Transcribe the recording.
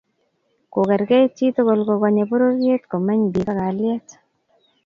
ko kerkeit chi tugul ko Kanye pororiet komeny bik ak kalyet